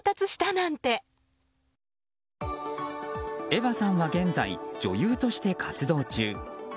エヴァさんは現在女優として活動中。